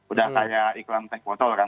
udah saya iklan teg botol kan